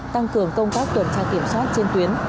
tăng cường công tác tuần tra kiểm soát trên tuyến